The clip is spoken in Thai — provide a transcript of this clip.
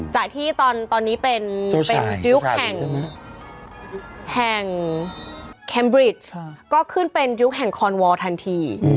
จากที่ตอนนี้เป็นยุคแห่งแคมบริตก็ขึ้นเป็นยุคแห่งคอนวอลทันที